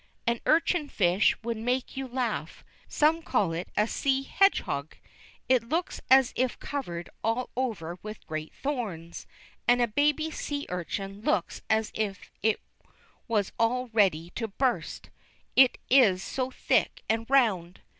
An urchin fish would make you laugh. Some call it a sea hedgehog. It looks as if covered all over with great thorns, and a baby sea urchin looks as if it was all ready to burst, it is so thick and round.